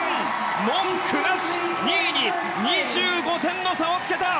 文句なし２位に２５点の差をつけた！